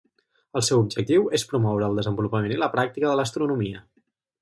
El seu objectiu és promoure el desenvolupament i la pràctica de l'astronomia.